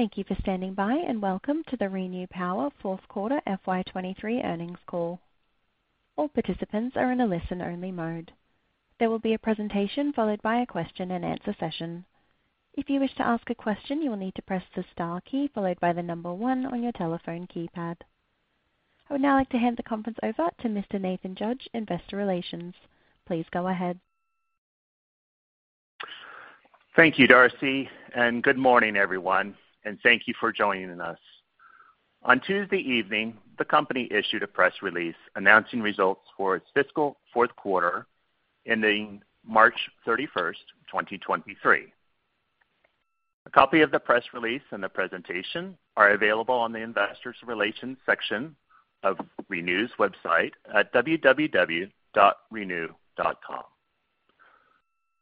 Thank you for standing by, and welcome to the ReNew Power Fourth Quarter FY 2023 Earnings Call. All participants are in a listen-only mode. There will be a presentation followed by a question and answer session. If you wish to ask a question, you will need to press the star key followed by the 1 on your telephone keypad. I would now like to hand the conference over to Mr. Nathan Judge, Investor Relations. Please go ahead. Thank you, Darcy. Good morning, everyone, and thank you for joining us. On Tuesday evening, the company issued a press release announcing results for its fiscal fourth quarter, ending March 31st, 2023. A copy of the press release and the presentation are available on the Investors Relations section of ReNew's website at www.renew.com.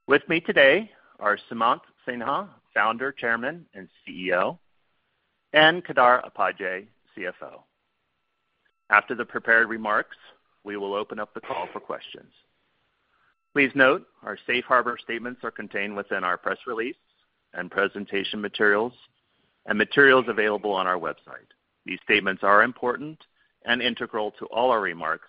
With me today are Sumant Sinha, Founder, Chairman, and CEO, and Kedar Upadhye, CFO. After the prepared remarks, we will open up the call for questions. Please note, our safe harbor statements are contained within our press release and presentation materials and materials available on our website. These statements are important and integral to all our remarks.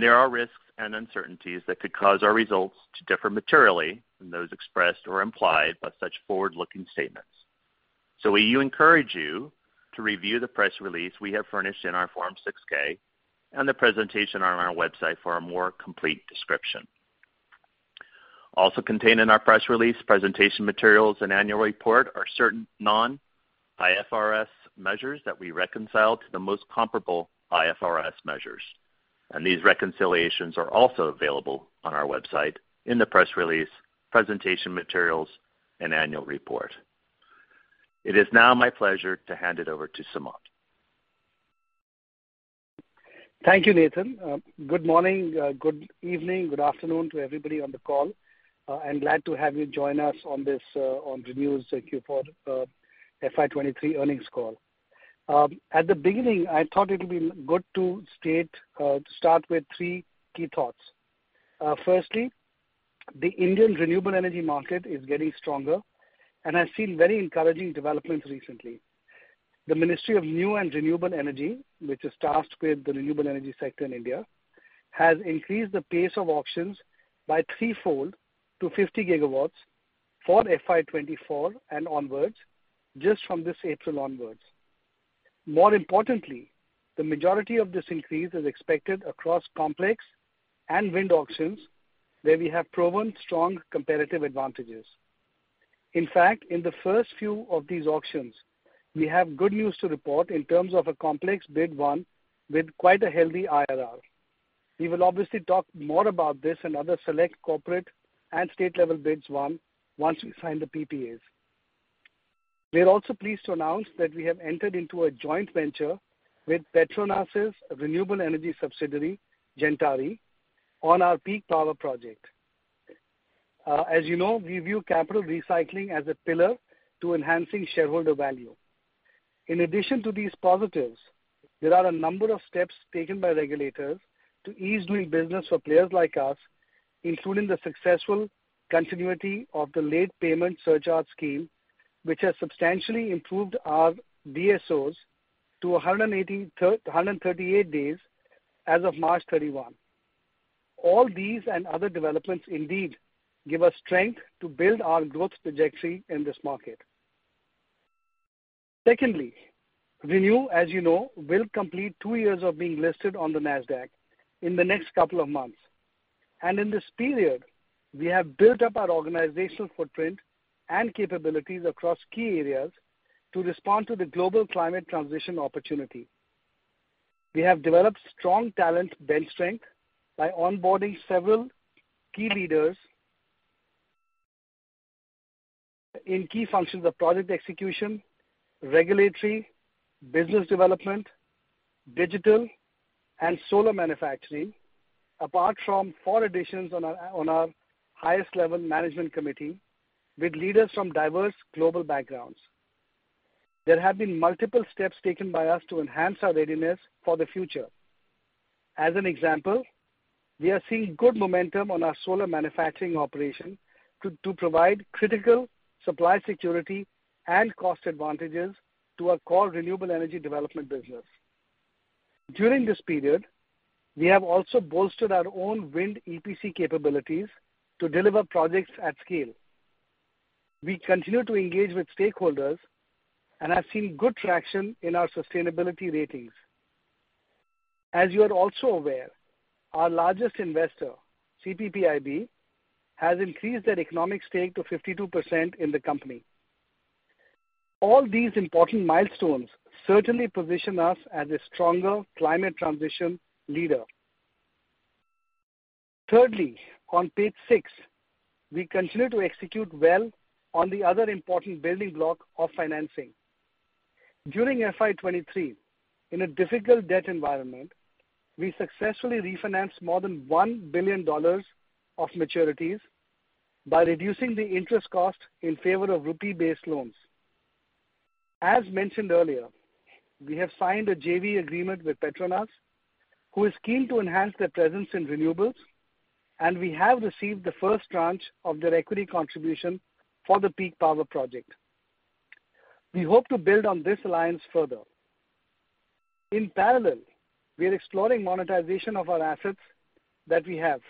There are risks and uncertainties that could cause our results to differ materially from those expressed or implied by such forward-looking statements. We encourage you to review the press release we have furnished in our Form 6-K and the presentation on our website for a more complete description. Also contained in our press release, presentation materials, and annual report are certain non-IFRS measures that we reconcile to the most comparable IFRS measures, and these reconciliations are also available on our website in the press release, presentation materials, and annual report. It is now my pleasure to hand it over to Sumant. Thank you, Nathan. Good morning, good evening, good afternoon to everybody on the call, glad to have you join us on this, on ReNew's Q4 FY 2023 earnings call. At the beginning, I thought it would be good to state, to start with three key thoughts. Firstly, the Indian renewable energy market is getting stronger and has seen very encouraging developments recently. The Ministry of New and Renewable Energy, which is tasked with the renewable energy sector in India, has increased the pace of auctions by threefold to 50 GW for FY 2024 and onwards, just from this April onwards. More importantly, the majority of this increase is expected across complex and wind auctions, where we have proven strong competitive advantages. In fact, in the first few of these auctions, we have good news to report in terms of a complex bid one with quite a healthy IRR. We will obviously talk more about this and other select corporate and state-level bids one, once we sign the PPAs. We are also pleased to announce that we have entered into a joint venture with PETRONAS' renewable energy subsidiary, Gentari, on our Peak Power project. As you know, we view capital recycling as a pillar to enhancing shareholder value. In addition to these positives, there are a number of steps taken by regulators to ease doing business for players like us, including the successful continuity of the Late Payment Surcharge scheme, which has substantially improved our DSOs to 138 days as of March 31. All these other developments indeed give us strength to build our growth trajectory in this market. Secondly, ReNew, as you know, will complete two years of being listed on the Nasdaq in the next couple of months. In this period, we have built up our organizational footprint and capabilities across key areas to respond to the global climate transition opportunity. We have developed strong talent bench strength by onboarding several key leaders in key functions of project execution, regulatory, business development, digital, and solar manufacturing, apart from 4 additions on our highest level management committee, with leaders from diverse global backgrounds. There have been multiple steps taken by us to enhance our readiness for the future. As an example, we are seeing good momentum on our solar manufacturing operation to provide critical supply security and cost advantages to our core renewable energy development business. During this period, we have also bolstered our own wind EPC capabilities to deliver projects at scale. We continue to engage with stakeholders and have seen good traction in our sustainability ratings. As you are also aware, our largest investor, CPPIB, has increased their economic stake to 52% in the company. All these important milestones certainly position us as a stronger climate transition leader. On Page six, we continue to execute well on the other important building block of financing. During FY 2023, in a difficult debt environment, we successfully refinanced more than $1 billion of maturities by reducing the interest cost in favor of rupee-based loans. As mentioned earlier, we have signed a JV agreement with PETRONAS, who is keen to enhance their presence in renewables, and we have received the first tranche of their equity contribution for the Peak Power project. We hope to build on this alliance further. In parallel, we are exploring monetization of our assets that we have.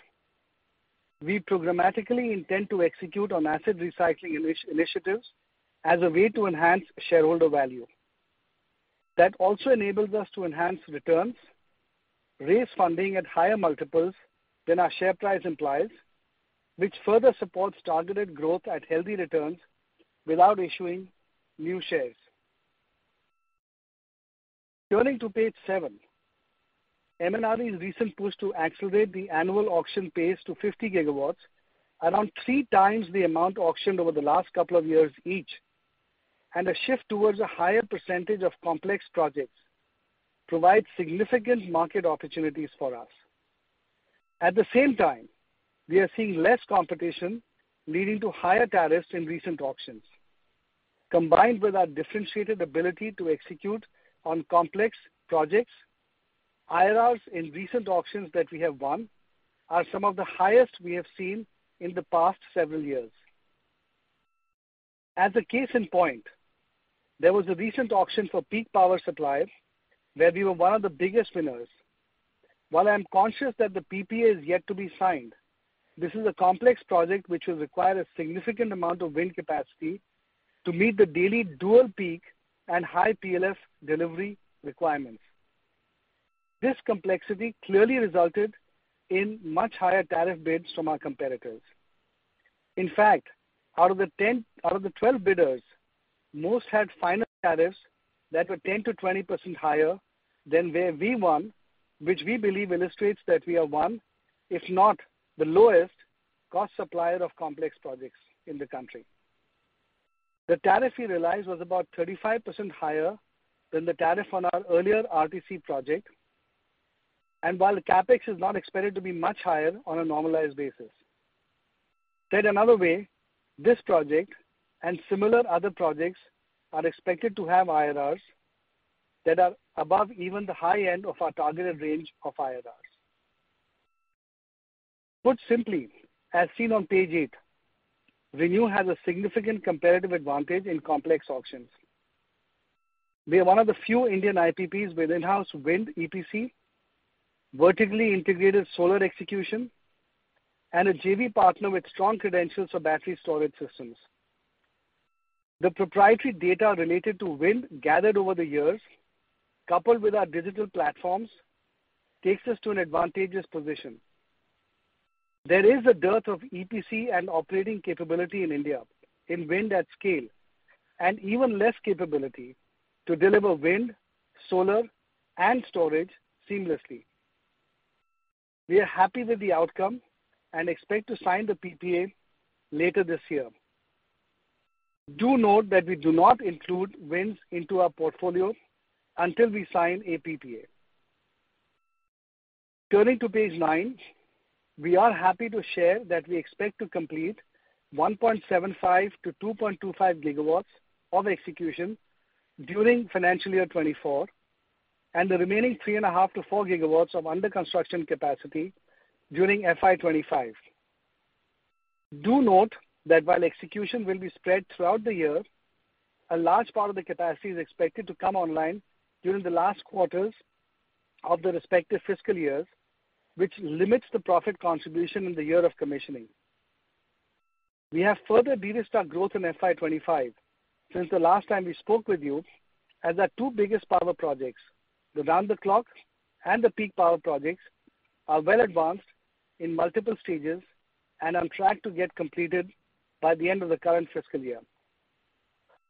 We programmatically intend to execute on asset recycling initiatives as a way to enhance shareholder value. That also enables us to enhance returns, raise funding at higher multiples than our share price implies, which further supports targeted growth at healthy returns without issuing new shares. Turning to Page seven, MNRE's recent push to accelerate the annual auction pace to 50 GW, around 3x the amount auctioned over the last couple of years each, and a shift towards a higher percentage of complex projects, provides significant market opportunities for us. At the same time, we are seeing less competition, leading to higher tariffs in recent auctions. Combined with our differentiated ability to execute on complex projects, IRRs in recent auctions that we have won are some of the highest we have seen in the past several years. As a case in point, there was a recent auction for peak power supply, where we were one of the biggest winners. While I'm conscious that the PPA is yet to be signed, this is a complex project which will require a significant amount of wind capacity to meet the daily dual peak and high PLF delivery requirements. This complexity clearly resulted in much higher tariff bids from our competitors. In fact, out of the 12 bidders, most had final tariffs that were 10%-20% higher than where we won, which we believe illustrates that we are one, if not the lowest cost supplier of complex projects in the country. The tariff we realized was about 35% higher than the tariff on our earlier RTC project, and while the CapEx is not expected to be much higher on a normalized basis. Said another way, this project and similar other projects are expected to have IRRs that are above even the high end of our targeted range of IRRs. Put simply, as seen on Page eight, ReNew has a significant competitive advantage in complex auctions. We are one of the few Indian IPPs with in-house wind EPC, vertically integrated solar execution, and a JV partner with strong credentials for battery storage systems. The proprietary data related to wind gathered over the years, coupled with our digital platforms, takes us to an advantageous position. There is a dearth of EPC and operating capability in India in wind at scale, and even less capability to deliver wind, solar, and storage seamlessly. We are happy with the outcome and expect to sign the PPA later this year. Do note that we do not include winds into our portfolio until we sign a PPA. Turning to Page nine, we are happy to share that we expect to complete 1.75 GW-2.25 GW of execution during financial year 2024, and the remaining 3.5 GW-4 GW of under construction capacity during FY 2025. Do note that while execution will be spread throughout the year, a large part of the capacity is expected to come online during the last quarters of the respective fiscal years, which limits the profit contribution in the year of commissioning. We have further de-risked our growth in FY 2025 since the last time we spoke with you, as our two biggest power projects, the Round-the-Clock and the Peak Power projects, are well advanced in multiple stages and on track to get completed by the end of the current fiscal year.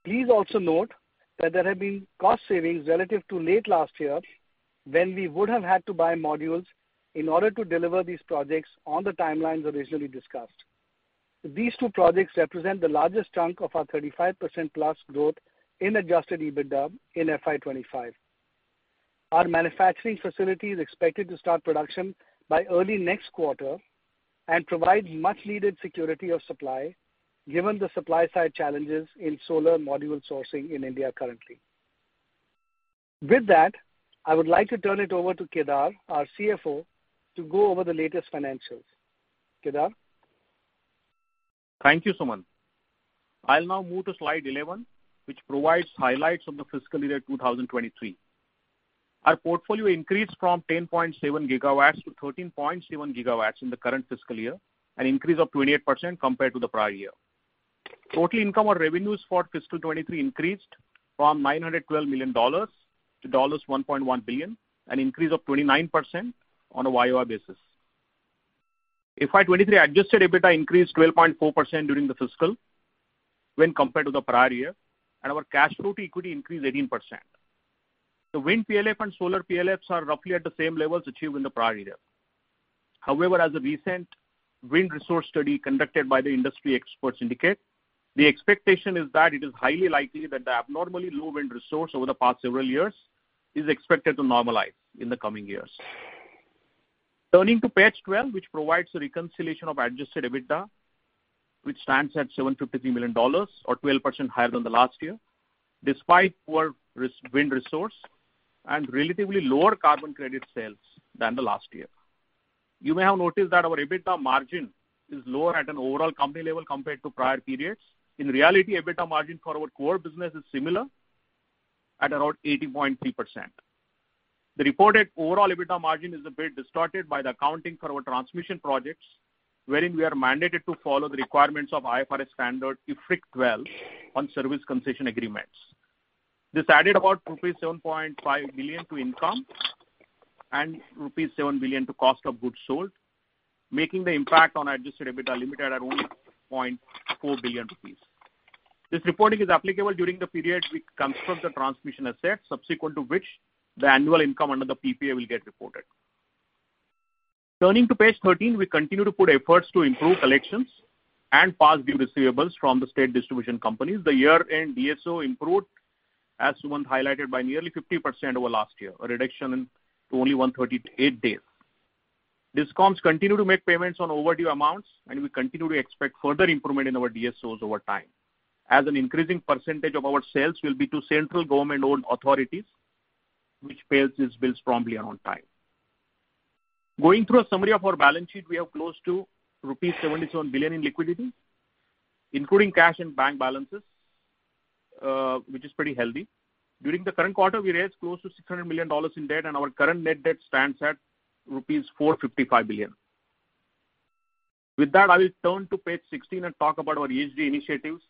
Please also note that there have been cost savings relative to late last year, when we would have had to buy modules in order to deliver these projects on the timelines originally discussed. These two projects represent the largest chunk of our 35%+ growth in adjusted EBITDA in FY 2025. Our manufacturing facility is expected to start production by early next quarter and provide much needed security of supply, given the supply side challenges in solar module sourcing in India currently. With that, I would like to turn it over to Kedar, our CFO, to go over the latest financials. Kedar? Thank you, Sumant. I'll now move to Slide 11, which provides highlights of the fiscal year 2023. Our portfolio increased from 10.7 GW to 13.7 GW in the current fiscal year, an increase of 28% compared to the prior year. Total income or revenues for fiscal 23 increased from $912 million to $1.1 billion, an increase of 29% on a YoY basis. FY 23 adjusted EBITDA increased 12.4% during the fiscal when compared to the prior year, and our cash flow to equity increased 18%. The wind PLF and solar PLFs are roughly at the same levels achieved in the prior year. As a recent wind resource study conducted by the industry experts indicate, the expectation is that it is highly likely that the abnormally low wind resource over the past several years is expected to normalize in the coming years. Turning to Page 12, which provides a reconciliation of adjusted EBITDA, which stands at $753 million or 12% higher than the last year, despite poor wind resource and relatively lower carbon credit sales than the last year. You may have noticed that our EBITDA margin is lower at an overall company level compared to prior periods. In reality, EBITDA margin for our core business is similar at around 80.3%. The reported overall EBITDA margin is a bit distorted by the accounting for our transmission projects, wherein we are mandated to follow the requirements of IFRS Standard IFRIC 12 on service concession agreements. This added about rupees 7.5 billion to income and rupees 7 billion to cost of goods sold, making the impact on adjusted EBITDA limited at only 0.4 billion rupees. This reporting is applicable during the period we construct the transmission assets, subsequent to which the annual income under the PPA will get reported. Turning to Page 13, we continue to put efforts to improve collections and past due receivables from the state distribution companies. The year-end DSO improved, as Sumant highlighted, by nearly 50% over last year, a reduction in to only 138 days. DISCOMs continue to make payments on overdue amounts, we continue to expect further improvement in our DSOs over time, as an increasing percentage of our sales will be to central government-owned authorities, which pays its bills promptly on time. Going through a summary of our balance sheet, we have close to rupees 77 billion in liquidity, including cash and bank balances, which is pretty healthy. During the current quarter, we raised close to $600 million in debt, and our current net debt stands at rupees 455 billion. With that, I will turn to Page 16 and talk about our ESG initiatives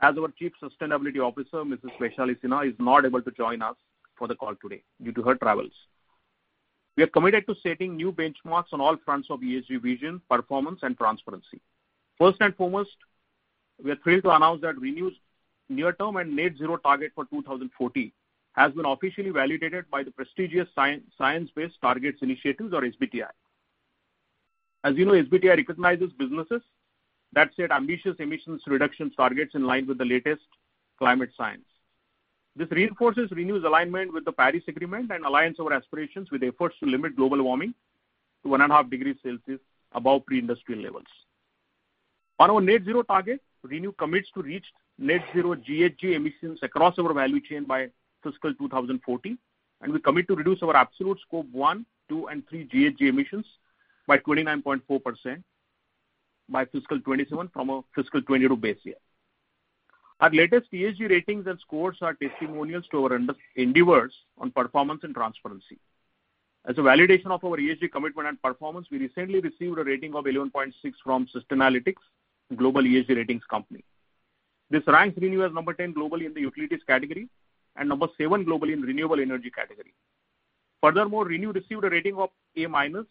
as our Chief Sustainability Officer, Mrs. Vaishali Nigam Sinha, is not able to join us for the call today due to her travels. We are committed to setting new benchmarks on all fronts of ESG vision, performance, and transparency. First and foremost, we are thrilled to announce that ReNew's near-term and net zero target for 2040 has been officially validated by the prestigious Science Based Targets initiative, or SBTi. As you know, SBTi recognizes businesses that set ambitious emissions reduction targets in line with the latest climate science. This reinforces ReNew's alignment with the Paris Agreement and aligns our aspirations with efforts to limit global warming to 1.5 degrees Celsius above pre-industrial levels. On our net zero target, ReNew commits to reach net zero GHG emissions across our value chain by fiscal 2040, we commit to reduce our absolute Scope 1, 2, and 3 GHG emissions by 29.4% by fiscal 2027 from a fiscal 2022 base year. Our latest ESG ratings and scores are testimonials to our end- endeavors on performance and transparency. As a validation of our ESG commitment and performance, we recently received a rating of 11.6 from Sustainalytics, a global ESG ratings company. This ranks ReNew as number 10 globally in the utilities category and number 7 globally in renewable energy category. Furthermore, ReNew received a rating of A-minus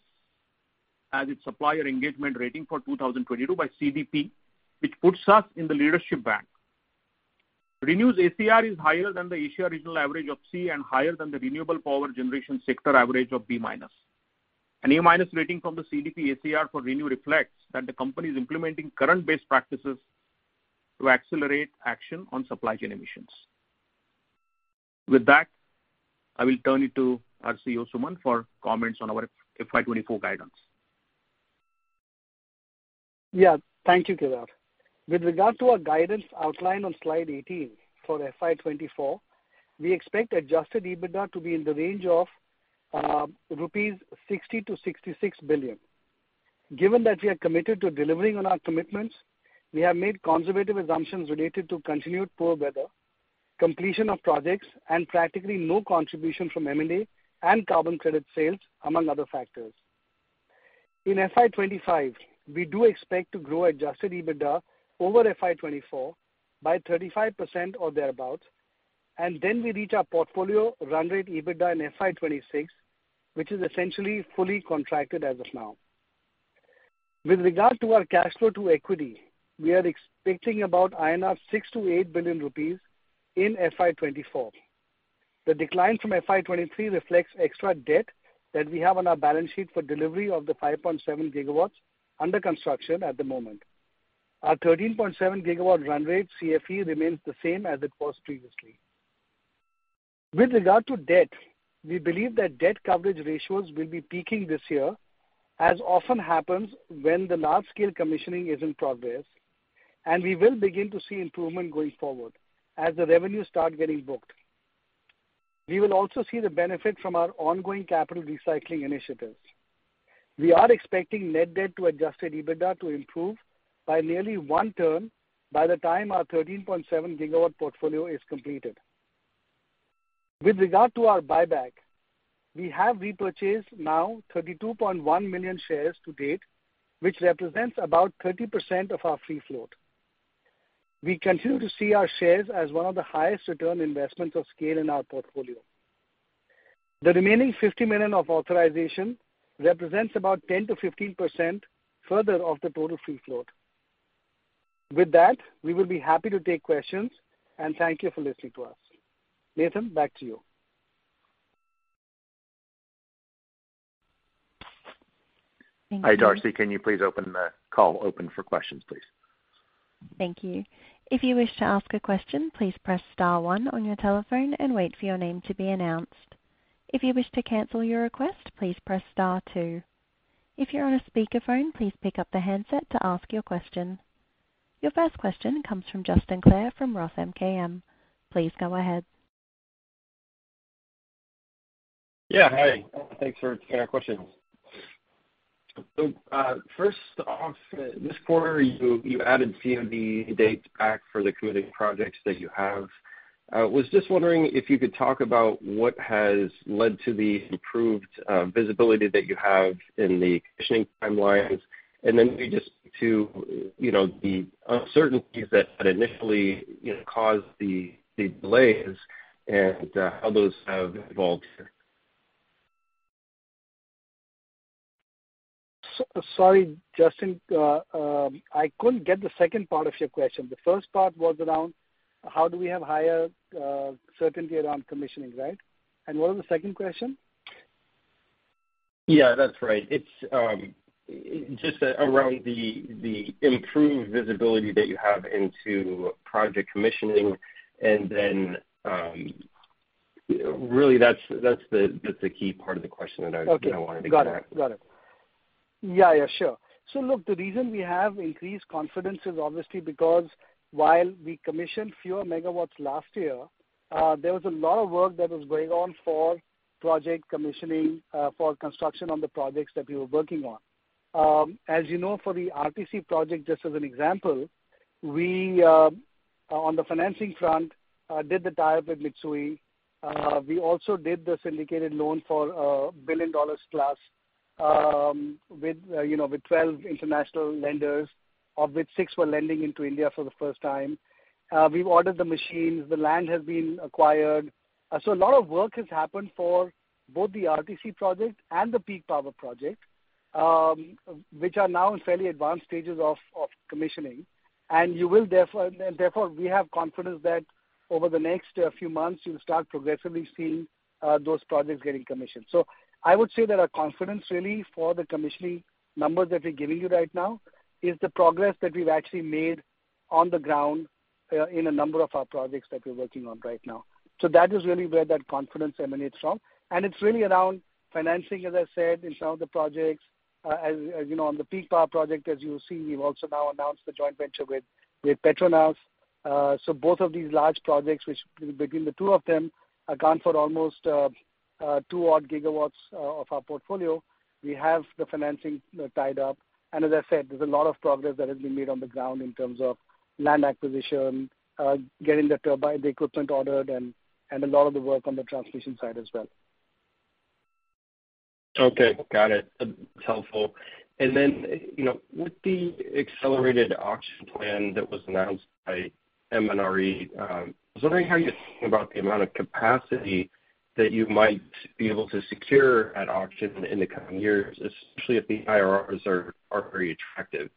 as its supplier engagement rating for 2022 by CDP, which puts us in the leadership band. ReNew's ACR is higher than the Asia regional average of C and higher than the renewable power generation sector average of B-minus. An A-minus rating from the CDP ACR for ReNew reflects that the company is implementing current best practices to accelerate action on supply chain emissions. With that, I will turn it to our CEO, Sumant, for comments on our FY 2024 guidance. Yeah. Thank you, Kedar. With regard to our guidance outlined on Slide 18 for FY 2024, we expect adjusted EBITDA to be in the range of rupees 60 billion-66 billion. Given that we are committed to delivering on our commitments, we have made conservative assumptions related to continued poor weather, completion of projects, and practically no contribution from M&A and carbon credit sales, among other factors. In FY 2025, we do expect to grow adjusted EBITDA over FY 2024 by 35% or thereabout, and then we reach our portfolio run rate EBITDA in FY 2026, which is essentially fully contracted as of now. With regard to our cash flow to equity, we are expecting about 6 billion-8 billion rupees in FY 2024. The decline from FY 2023 reflects extra debt that we have on our balance sheet for delivery of the 5.7 GW under construction at the moment. Our 13.7 GW run-rate CFE remains the same as it was previously. With regard to debt, we believe that debt coverage ratios will be peaking this year, as often happens when the large-scale commissioning is in progress. We will begin to see improvement going forward as the revenues start getting booked. We will also see the benefit from our ongoing capital recycling initiatives. We are expecting net debt to adjusted EBITDA to improve by nearly 1 turn by the time our 13.7 GW portfolio is completed. With regard to our buyback, we have repurchased now 32.1 million shares to date, which represents about 30% of our free float. We continue to see our shares as one of the highest return investments of scale in our portfolio. The remaining $50 million of authorization represents about 10%-15% further of the total free float. With that, we will be happy to take questions, and thank you for listening to us. Nathan, back to you. Hi, Darcy, can you please open the call, open for questions, please? Thank you. If you wish to ask a question, please press star one on your telephone and wait for your name to be announced. If you wish to cancel your request, please press star two. If you're on a speakerphone, please pick up the handset to ask your question. Your first question comes from Justin Clare from ROTH MKM. Please go ahead. Yeah, hi. Thanks for taking our questions. First off, this quarter, you added COD dates back for the commissioning projects that you have. I was just wondering if you could talk about what has led to the improved visibility that you have in the commissioning timelines, maybe just to, you know, the uncertainties that initially, you know, caused the delays and how those have evolved? Sorry, Justin, I couldn't get the second part of your question. The first part was around how do we have higher certainty around commissioning, right? What was the second question? Yeah, that's right. It's just around the improved visibility that you have into project commissioning, and then, really, that's the key part of the question that I wanted to clarify. Okay. Got it. Got it. Yeah, sure. The reason we have increased confidence is obviously because while we commissioned fewer megawatts last year, there was a lot of work that was going on for project commissioning, for construction on the projects that we were working on. As you know, for the RTC project, just as an example, we on the financing front, did the tie-up with Mitsui We also did the syndicated loan for $1 billion plus, with, you know, with 12 international lenders, of which 6 were lending into India for the first time. We've ordered the machines, the land has been acquired. A lot of work has happened for both the RTC project and the Peak Power project, which are now in fairly advanced stages of commissioning. Therefore, we have confidence that over the next few months, you'll start progressively seeing those projects getting commissioned. I would say that our confidence, really, for the commissioning numbers that we're giving you right now is the progress that we've actually made on the ground in a number of our projects that we're working on right now. That is really where that confidence emanates from. It's really around financing, as I said, in some of the projects. As you know, on the Peak Power project, as you'll see, we've also now announced the joint venture with PETRONAS. Both of these large projects, which between the 2 of them, account for almost 2 odd gigawatts of our portfolio, we have the financing tied up. As I said, there's a lot of progress that has been made on the ground in terms of land acquisition, getting the turbine, the equipment ordered, and a lot of the work on the transmission side as well. Okay, got it. That's helpful. Then, you know, with the accelerated auction plan that was announced by MNRE, I was wondering how you think about the amount of capacity that you might be able to secure at auction in the coming years, especially if the IRRs are very attractive.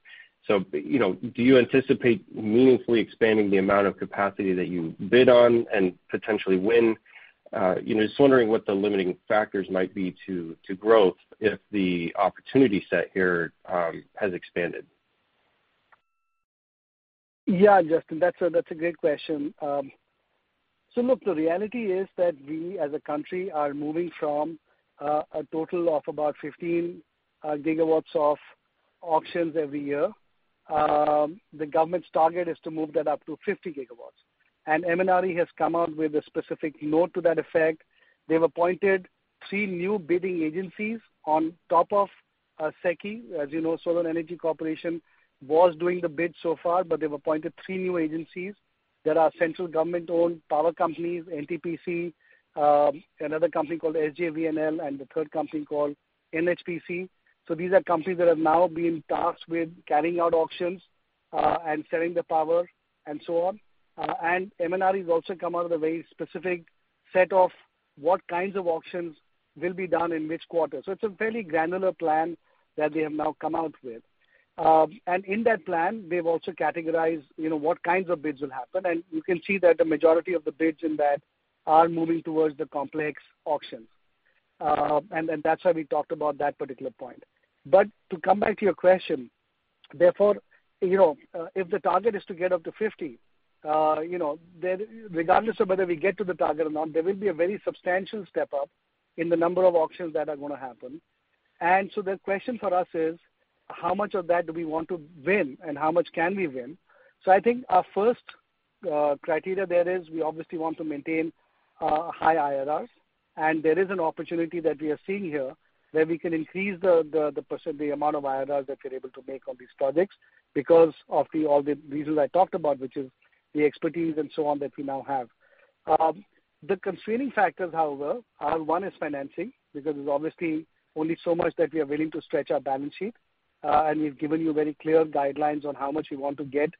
You know, do you anticipate meaningfully expanding the amount of capacity that you bid on and potentially win? You know, just wondering what the limiting factors might be to growth if the opportunity set here has expanded. Yeah, Justin, that's a great question. Look, the reality is that we, as a country, are moving from a total of about 15 GW of auctions every year. The government's target is to move that up to 50 GW. MNRE has come out with a specific note to that effect. They've appointed three new bidding agencies on top of SECI. As you know, Solar Energy Corporation was doing the bids so far, but they've appointed three new agencies that are central government-owned power companies, NTPC, another company called SJVN, and the third company called NHPC. These are companies that have now been tasked with carrying out auctions and selling the power and so on. MNRE has also come out with a very specific set of what kinds of auctions will be done in which quarter. It's a fairly granular plan that they have now come out with. In that plan, they've also categorized, what kinds of bids will happen, and you can see that the majority of the bids in that are moving towards the complex auctions. And that's why we talked about that particular point. To come back to your question, therefore, if the target is to get up to 50, then regardless of whether we get to the target or not, there will be a very substantial step up in the number of auctions that are gonna happen. The question for us is: How much of that do we want to win, and how much can we win? I think our first criteria there is we obviously want to maintain high IRRs, and there is an opportunity that we are seeing here, where we can increase the amount of IRRs that we're able to make on these projects because of all the reasons I talked about, which is the expertise and so on that we now have. The constraining factors, however, are, one, is financing, because there's obviously only so much that we are willing to stretch our balance sheet. We've given you very clear guidelines on how much we want to get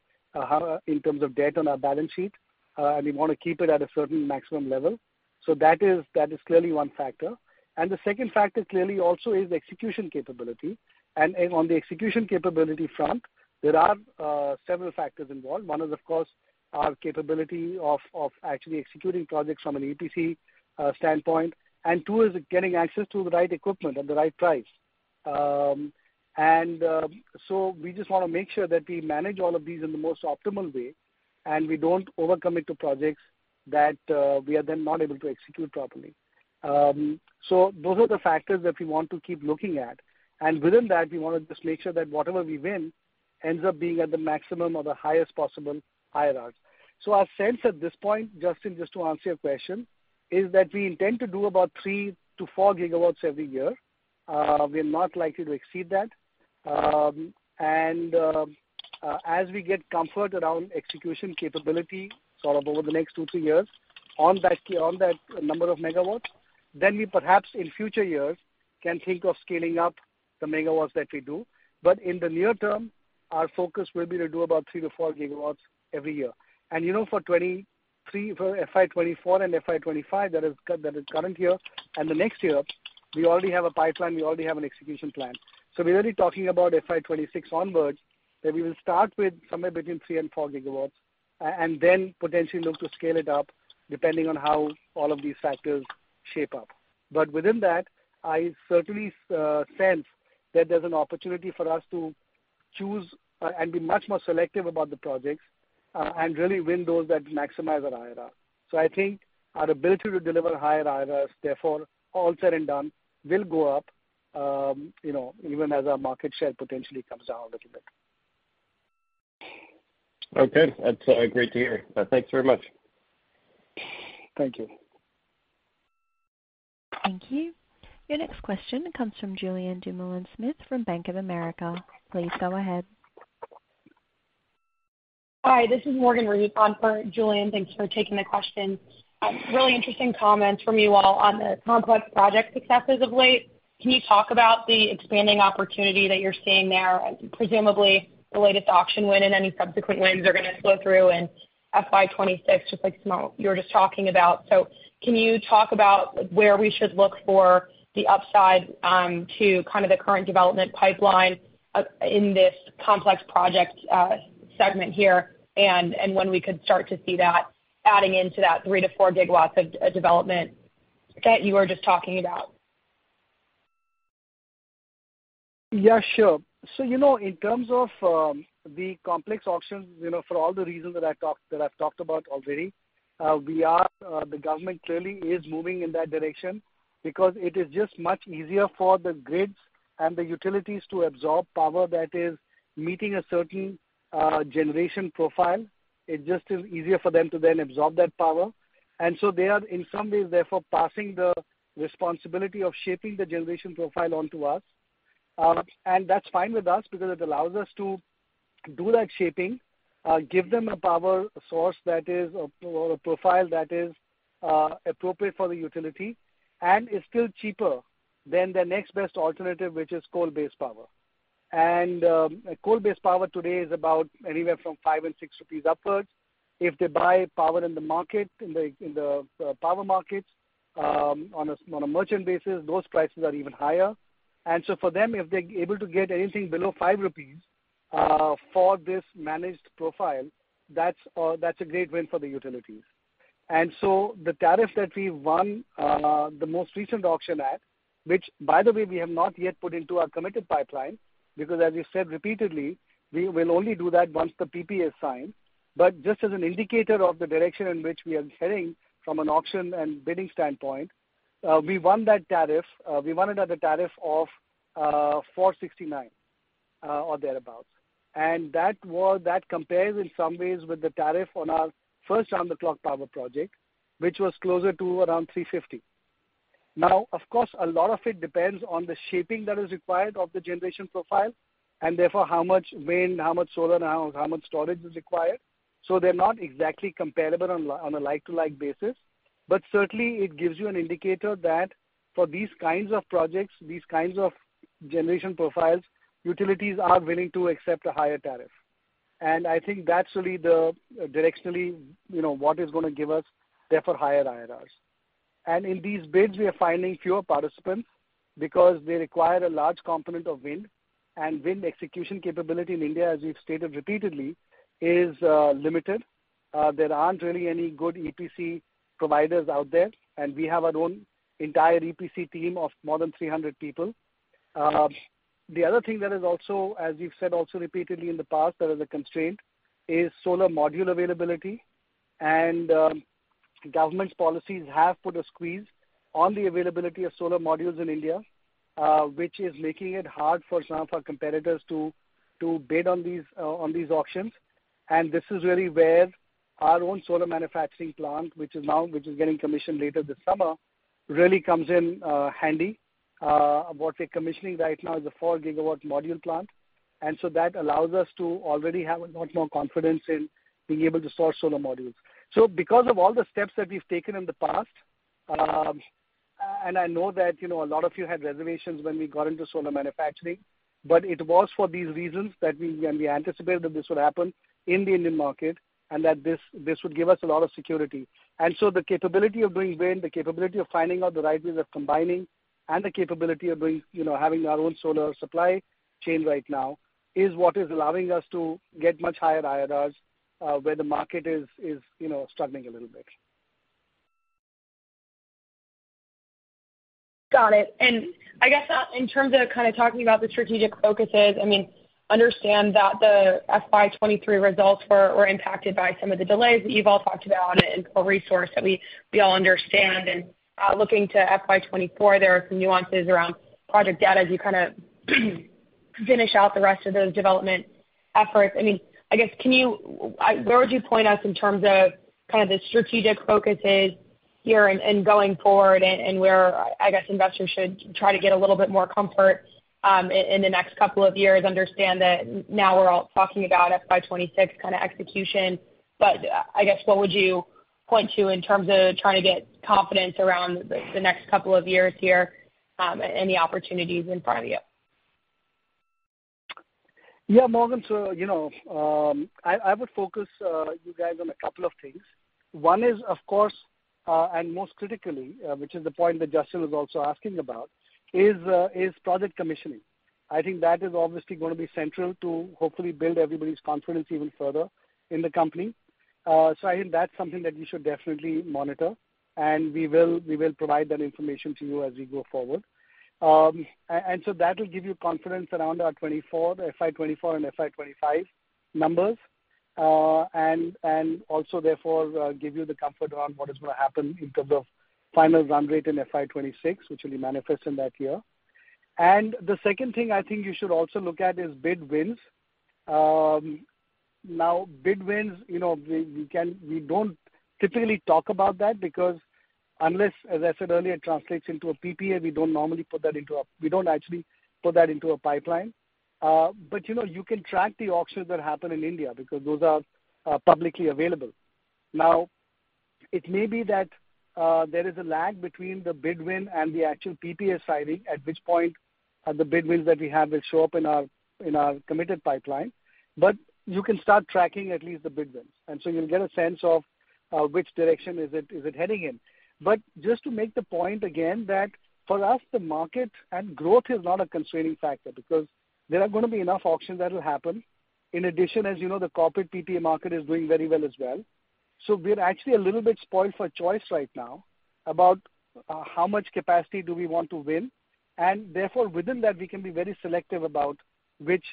in terms of debt on our balance sheet, and we want to keep it at a certain maximum level. That is clearly one factor. The second factor clearly also is execution capability. On the execution capability front, there are several factors involved. One is, of course, our capability of actually executing projects from an EPC standpoint, and two, is getting access to the right equipment at the right price. So we just want to make sure that we manage all of these in the most optimal way, and we don't over-commit to projects that we are then not able to execute properly. So those are the factors that we want to keep looking at. Within that, we want to just make sure that whatever we win ends up being at the maximum or the highest possible IRR. So our sense at this point, Justin, just to answer your question, is that we intend to do about 3 GW-4 GW every year. We are not likely to exceed that. As we get comfort around execution capability, sort of over the next 2, 3 years on that number of megawatts, then we perhaps in future years, can think of scaling up the megawatts that we do. In the near term, our focus will be to do about 3 GW to 4 GW every year. You know, for 2023, for FY 2024 and FY 2025, that is current year and the next year, we already have a pipeline, we already have an execution plan. We're really talking about FY 2026 onwards, that we will start with somewhere between 3 GW and 4 GW, and then potentially look to scale it up, depending on how all of these factors shape up. Within that, I certainly sense that there's an opportunity for us to choose and be much more selective about the projects and really win those that maximize our IRR. I think our ability to deliver higher IRRs, therefore, all said and done, will go up, you know, even as our market share potentially comes down a little bit. Okay. That's great to hear. Thanks very much. Thank you. Thank you. Your next question comes from Julien Dumoulin-Smith, from Bank of America. Please go ahead. Hi, this is Morgan Reid on for Julien Dumoulin-Smith. Thank you for taking the question. Really interesting comments from you all on the complex project successes of late. Can you talk about the expanding opportunity that you're seeing there, presumably the latest auction win and any subsequent wins are going to flow through in FY 2026, just like Sumant, you were just talking about. Can you talk about where we should look for the upside to kind of the current development pipeline in this complex project segment here, and when we could start to see that adding into that 3 GW-4 GW of development that you were just talking about? Yeah, sure. You know, in terms of the complex auctions, you know, for all the reasons that I've talked about already, we are, the government clearly is moving in that direction because it is just much easier for the grids and the utilities to absorb power that is meeting a certain generation profile. It just is easier for them to then absorb that power. They are, in some ways, therefore, passing the responsibility of shaping the generation profile onto us. That's fine with us because it allows us to do that shaping, give them a power source that is, or a profile that is appropriate for the utility, and is still cheaper than the next best alternative, which is coal-based power. A coal-based power today is about anywhere from 5 and 6 rupees upwards. If they buy power in the market, in the power markets, on a merchant basis, those prices are even higher. For them, if they're able to get anything below 5 rupees for this managed profile, that's a great win for the utilities. The tariff that we won, the most recent auction at, which by the way, we have not yet put into our committed pipeline, because as you said repeatedly, we will only do that once the PPA is signed. Just as an indicator of the direction in which we are heading from an auction and bidding standpoint, we won that tariff. We won it at a tariff of 4.69 or thereabout. That compares in some ways with the tariff on our first Round-the-Clock power project, which was closer to around 3.50. Of course, a lot of it depends on the shaping that is required of the generation profile, and therefore, how much wind, how much solar, and how much storage is required. They're not exactly comparable on a like-to-like basis. Certainly it gives you an indicator that for these kinds of projects, these kinds of generation profiles, utilities are willing to accept a higher tariff. I think that's really directionally, you know, what is going to give us, therefore, higher IRRs. In these bids, we are finding fewer participants because they require a large component of wind, and wind execution capability in India, as we've stated repeatedly, is limited. There aren't really any good EPC providers out there, and we have our own entire EPC team of more than 300 people. The other thing that is also, as we've said also repeatedly in the past, that is a constraint, is solar module availability. Government's policies have put a squeeze on the availability of solar modules in India, which is making it hard for some of our competitors to bid on these on these auctions. This is really where our own solar manufacturing plant, which is now, which is getting commissioned later this summer, really comes in handy. What we're commissioning right now is a 4 GW module plant, and so that allows us to already have a lot more confidence in being able to source solar modules. Because of all the steps that we've taken in the past, I know that, you know, a lot of you had reservations when we got into solar manufacturing, but it was for these reasons that we, and we anticipated that this would happen in the Indian market, and that this would give us a lot of security. The capability of doing wind, the capability of finding out the right ways of combining, and the capability of, you know, having our own solar supply chain right now, is what is allowing us to get much higher IRRs, where the market is, you know, struggling a little bit. Got it. I guess, in terms of kind of talking about the strategic focuses, I mean, understand that the FY 2023 results were impacted by some of the delays that you've all talked about and a resource that we all understand. Looking to FY 2024, there are some nuances around project data as you kind of finish out the rest of those development efforts. I mean, I guess, can you where would you point us in terms of kind of the strategic focuses here and going forward, and where I guess, investors should try to get a little bit more comfort in the next couple of years? Understand that now we're all talking about FY 2026 kind of execution, I guess, what would you point to in terms of trying to get confidence around the next couple of years here, and any opportunities in front of you? Yeah, Morgan, so, you know, I would focus you guys on a couple of things. One is, of course, and most critically, which is the point that Justin was also asking about, is project commissioning. I think that is obviously gonna be central to hopefully build everybody's confidence even further in the company. So I think that's something that we should definitely monitor, and we will provide that information to you as we go forward. So that will give you confidence around our 2024, the FY 2024 and FY 2025 numbers, and also, therefore, give you the comfort around what is gonna happen in terms of final run rate in FY 2026, which will be manifest in that year. The second thing I think you should also look at is bid wins. Now, bid wins, you know, we don't typically talk about that, because unless, as I said earlier, it translates into a PPA, we don't normally put that into a we don't actually put that into a pipeline. You know, you can track the auctions that happen in India, because those are publicly available. It may be that there is a lag between the bid win and the actual PPA signing, at which point, the bid wins that we have will show up in our, in our committed pipeline. You can start tracking at least the bid wins, and so you'll get a sense of which direction is it, is it heading in. Just to make the point again, that for us, the market and growth is not a constraining factor, because there are going to be enough auctions that will happen. In addition, as you know, the corporate PPA market is doing very well as well. We're actually a little bit spoiled for choice right now about how much capacity do we want to win, and therefore, within that, we can be very selective about which,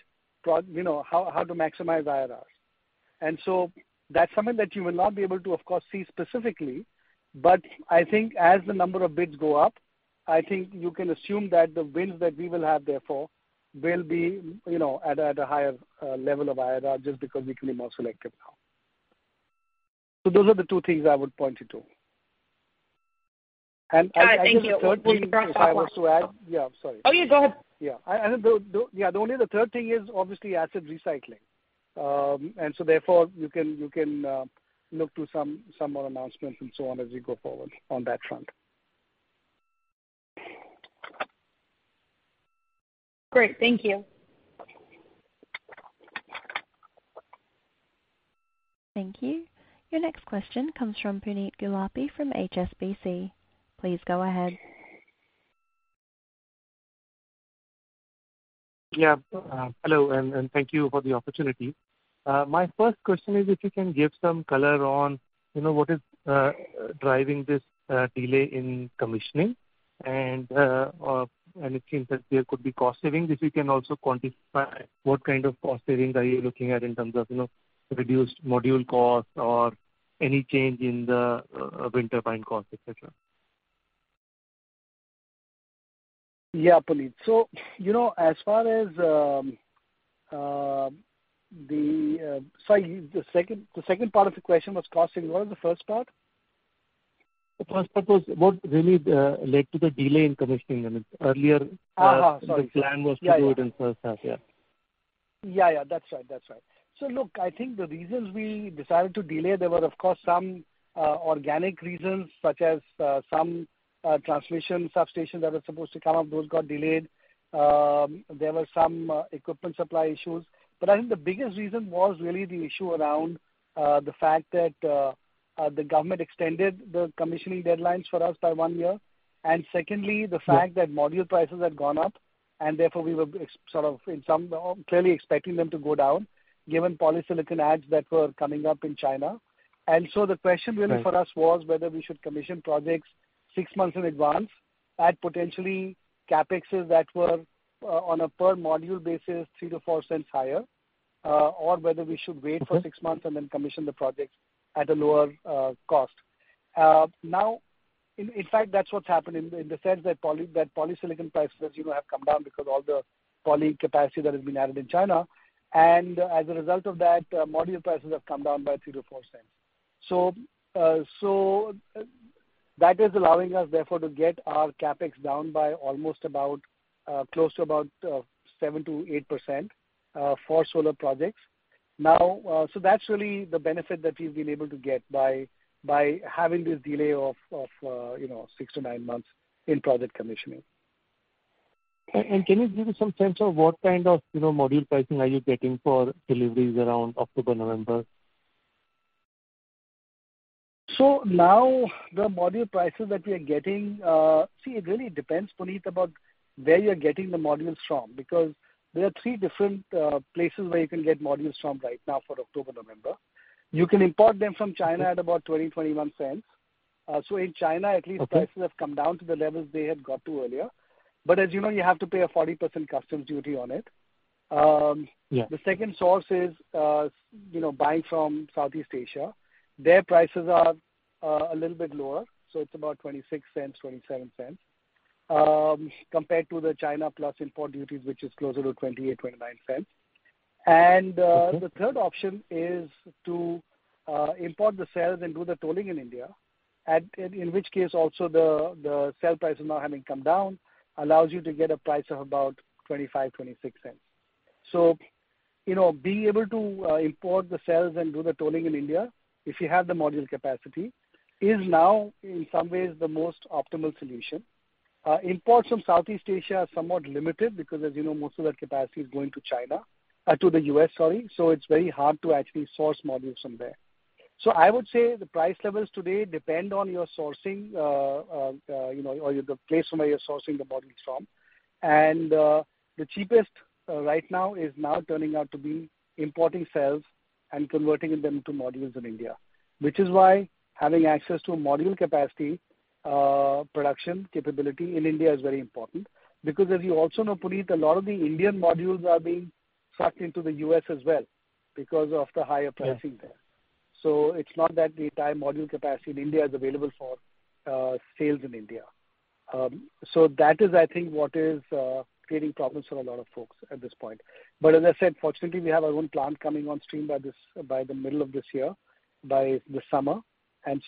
you know, how to maximize IRRs. That's something that you will not be able to, of course, see specifically, but I think as the number of bids go up, I think you can assume that the wins that we will have therefore will be, you know, at a, at a higher level of IRR, just because we can be more selective now. Those are the two things I would point you to. The third thing All right. Thank you. Yeah, I'm sorry. Oh, yeah, go ahead. Yeah. The only third thing is obviously asset recycling. Therefore, you can look to some more announcements and so on as we go forward on that front. Great. Thank you. Thank you. Your next question comes from Puneet Gulati from HSBC. Please go ahead. Yeah. Hello, and thank you for the opportunity. My first question is if you can give some color on, you know, what is driving this delay in commissioning? It seems that there could be cost saving. If you can also quantify what kind of cost savings are you looking at in terms of, you know, reduced module costs or any change in the wind turbine costs, et cetera? Yeah, Puneet. you know, as far as the second part of the question was costing. What was the first part? The first part was what really led to the delay in commissioning? I mean, The plan was to do it in first half, yeah. Yeah, yeah. That's right. That's right. look, I think the reasons we decided to delay, there were, of course, some organic reasons, such as some transmission substations that were supposed to come up, those got delayed. There were some equipment supply issues. I think the biggest reason was really the issue around the fact that the government extended the commissioning deadlines for us by 1 year. Secondly, the fact that module prices had gone up, and therefore, we were clearly expecting them to go down, given polysilicon adds that were coming up in China. The question really for us was whether we should commission projects 6 months in advance at potentially CapExes that were on a per-module basis, $0.03-$0.04 higher, or whether we should wait for 6 months and then commission the projects at a lower cost. Now, in fact, that's what's happened in the sense that polysilicon prices, you know, have come down because all the poly capacity that has been added in China. As a result of that, module prices have come down by $0.03-$0.04. So that is allowing us, therefore, to get our CapEx down by almost about close to about 7%-8% for solar projects. That's really the benefit that we've been able to get by having this delay of, you know, 6 to 9 months in project commissioning. Can you give me some sense of what kind of, you know, module pricing are you getting for deliveries around October, November? The module prices that we are getting, see, it really depends, Puneet, about where you're getting the modules from, because there are three different places where you can get modules from right now for October, November. You can import them from China at about $0.20-$0.21. In China, at least prices have come down to the levels they had got to earlier. As you know, you have to pay a 40% customs duty on it. Yeah. The second source is, you know, buying from Southeast Asia. Their prices are a little bit lower, so it's about $0.26, $0.27, compared to the China plus import duties, which is closer to $0.28-$0.29. Okay. The third option is to import the cells and do the tolling in India, in which case also the cell prices now having come down, allows you to get a price of about $0.25-$0.26. You know, being able to import the cells and do the tolling in India, if you have the module capacity, is now, in some ways, the most optimal solution. Imports from Southeast Asia are somewhat limited because, as you know, most of that capacity is going to China, to the US, sorry, so it's very hard to actually source modules from there. I would say the price levels today depend on your sourcing, you know, or the place from where you're sourcing the modules from. The cheapest right now is now turning out to be importing cells and converting them to modules in India. Which is why having access to a module capacity production capability in India is very important. Because as you also know, Puneet, a lot of the Indian modules are being sucked into the US as well, because of the higher pricing there. Yeah. It's not that the entire module capacity in India is available for sales in India. That is, I think, what is creating problems for a lot of folks at this point. As I said, fortunately, we have our own plant coming on stream by the middle of this year, by the summer.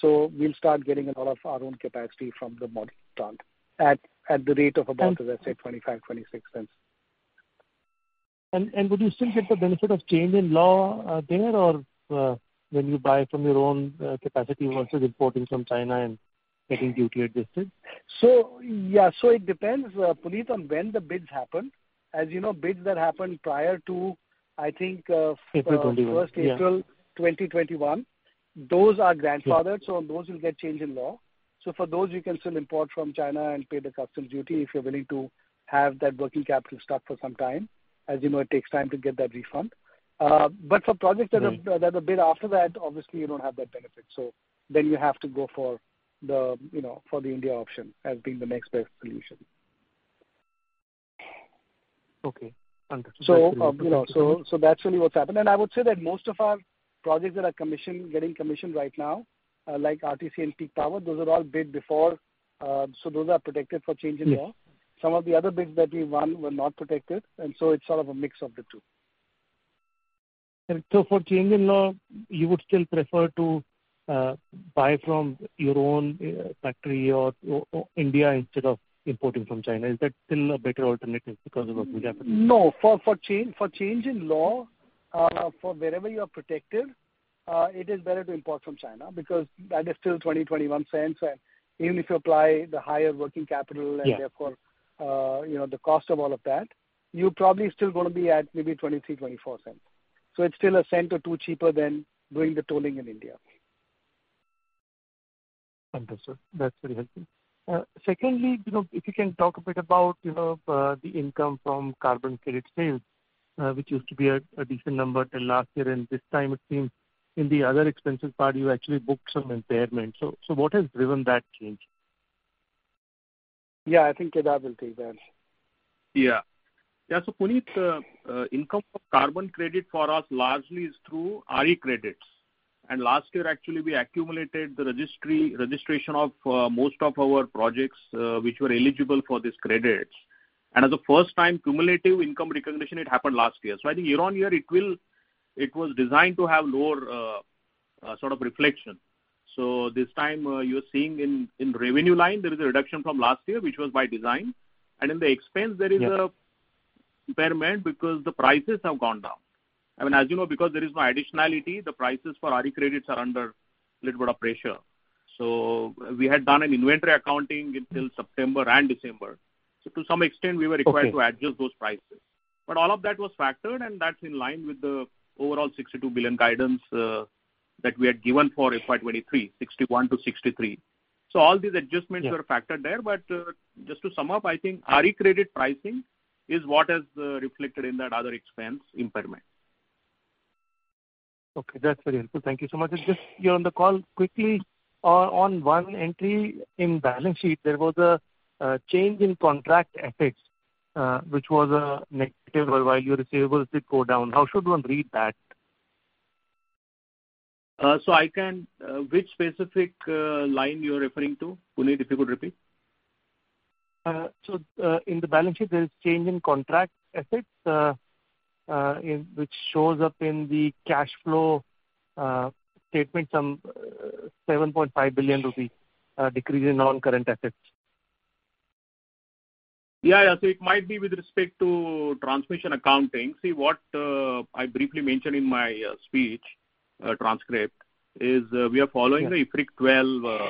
We'll start getting a lot of our own capacity from the module plant at the rate of about, as I said, $0.25-$0.26. Would you still get the benefit of change in law there, or when you buy from your own capacity versus importing from China and getting duty adjusted? Yeah. It depends, Puneet, on when the bids happen. As you know, bids that happened prior to, I think, April 21. First April 2021, those are grandfathered- Yeah. Those will get change in law. For those, you can still import from China and pay the customs duty if you're willing to have that working capital stuck for some time. As you know, it takes time to get that refund. For projects that are... Yeah. that are bid after that, obviously you don't have that benefit. You have to go for the, you know, for the India option as being the next best solution. Okay. Understood. you know, so that's really what's happened. I would say that most of our projects that are commissioned, getting commissioned right now, like RTC and Peak Power, those are all bid before, so those are protected for change in law. Yeah. Some of the other bids that we won were not protected, and so it's sort of a mix of the two. For change in law, you would still prefer to buy from your own factory or India instead of importing from China. Is that still a better alternative because of what will happen? No. For change in law, for wherever you are protected, it is better to import from China because that is still $0.20, $0.21, and even if you apply the higher working capital- Yeah Therefore, you know, the cost of all of that, you're probably still gonna be at maybe $0.23-$0.24. It's still $0.01 or $0.02 cheaper than doing the tolling in India. Understood. That's very helpful. Secondly, you know, if you can talk a bit about, you know, the income from carbon credit sales, which used to be a decent number till last year, and this time it seems in the other expenses part, you actually booked some impairment. What has driven that change? Yeah, I think Kedar will take that. Yeah. Yeah, Puneet, income from carbon credit for us largely is through RE credits. Last year, actually, we accumulated the registry, registration of most of our projects, which were eligible for these credits. As a first-time cumulative income recognition, it happened last year. I think year-on-year, it was designed to have lower, sort of reflection. This time, you're seeing in revenue line, there is a reduction from last year, which was by design. In the expense, there is. Yeah impairment because the prices have gone down. I mean, as you know, because there is no additionality, the prices for RE credits are under a little bit of pressure. We had done an inventory accounting until September and December. To some extent, we were required- Okay. -to adjust those prices. All of that was factored, and that's in line with the overall $62 billion guidance that we had given for FY 2023, $61 billion-$63 billion. All these adjustments- Yeah were factored there, but, just to sum up, I think RE credit pricing is what is reflected in that other expense impairment. Okay, that's very helpful. Thank you so much. Just you're on the call, quickly, on one entry in balance sheet, there was a change in contract assets, which was a negative, while your receivables did go down. How should one read that? Which specific line you are referring to, Puneet? If you could repeat. In the balance sheet, there is change in contract assets, which shows up in the cash flow statement, some INR 7.5 billion decrease in non-current assets. Yeah. It might be with respect to transmission accounting. See, what I briefly mentioned in my speech transcript is we are Yeah the IFRIC 12,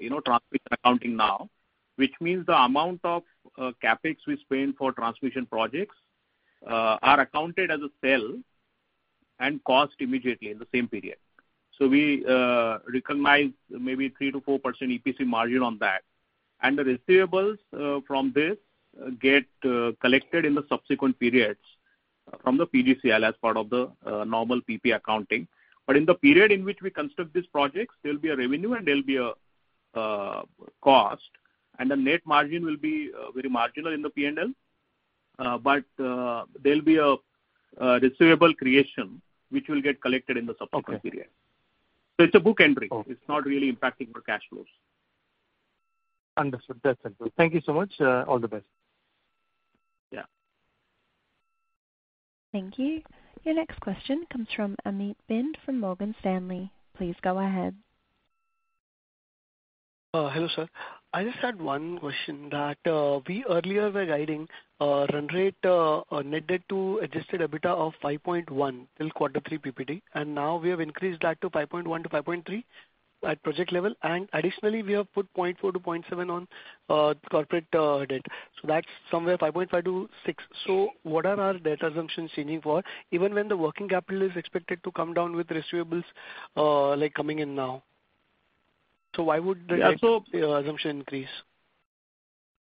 you know, transmission accounting now, which means the amount of CapEx we spend for transmission projects are accounted as a sale and cost immediately in the same period. We recognize maybe 3%-4% EPC margin on that, and the receivables from this get collected in the subsequent periods from the PGCIL as part of the normal PP accounting. In the period in which we construct these projects, there'll be a revenue and there'll be a cost, and the net margin will be very marginal in the P&L. There'll be a receivable creation which will get collected in the subsequent period. Okay. It's a book entry. Okay. It's not really impacting the cash flows. Understood. That's helpful. Thank you so much. All the best. Yeah. Thank you. Your next question comes from Amit Bhinde from Morgan Stanley. Please go ahead. Hello, sir. I just had 1 question that we earlier were guiding a run rate on net debt to adjusted EBITDA of 5.1 till Q3 PPD. Now we have increased that to 5.1-5.3 at project level. Additionally, we have put 0.4-0.7 on corporate debt. That's somewhere 5.5-6. What are our debt assumptions changing for, even when the working capital is expected to come down with receivables?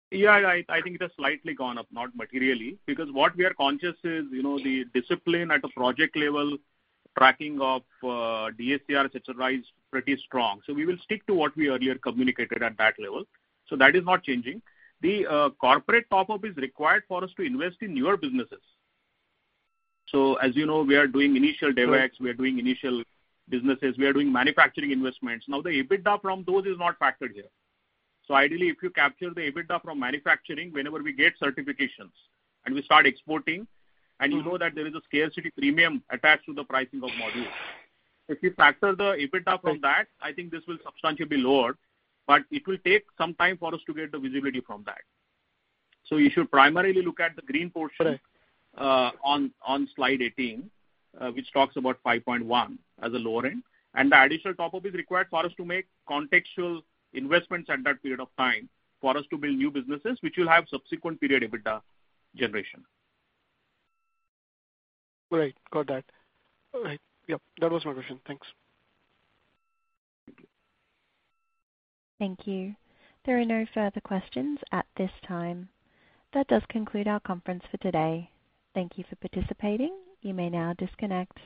Yeah, I think it has slightly gone up, not materially, because what we are conscious is, you know, the discipline at a project level, tracking of DSCR et cetera, is pretty strong. We will stick to what we earlier communicated at that level, so that is not changing. The corporate top-up is required for us to invest in newer businesses. As you know, we are doing initial DevEx. Sure. We are doing initial businesses, we are doing manufacturing investments. The EBITDA from those is not factored here. Ideally, if you capture the EBITDA from manufacturing, whenever we get certifications and we start exporting- You know that there is a scarcity premium attached to the pricing of modules. If you factor the EBITDA from that- Right. I think this will substantially be lower, but it will take some time for us to get the visibility from that. You should primarily look at the green portion... Correct. on Slide 18, which talks about 5.1 as a lower end, and the additional top-up is required for us to make contextual investments at that period of time, for us to build new businesses, which will have subsequent period EBITDA generation. Right. Got that. All right. Yep, that was my question. Thanks. Thank you. Thank you. There are no further questions at this time. That does conclude our conference for today. Thank you for participating. You may now disconnect.